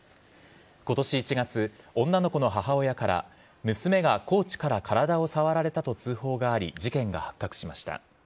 今年１月、女の子の母親から娘がコーチから体を触られたと通報があり事件が発覚しました。